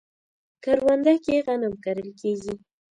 کرونده کې غنم کرل کیږي